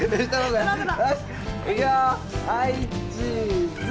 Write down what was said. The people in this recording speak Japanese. はいチーズ！